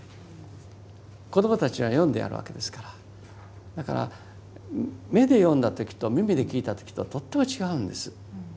子どもたちには読んでやるわけですからだから目で読んだ時と耳で聞いた時ととっても違うんです。